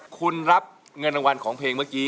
คุณรับเงินรางวัลของเพลงเมื่อกี้